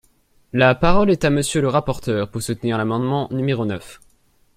La parole est à Monsieur le rapporteur, pour soutenir l’amendement numéro neuf.